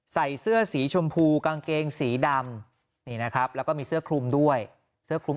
ใส่เสื้อสีชมพูกางเกงสีดำนี่นะครับแล้วก็มีเสื้อคลุมด้วยเสื้อคลุม